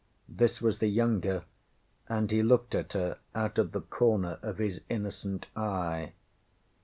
ŌĆØ This was the younger, and he looked at her out of the corner of his innocent eye.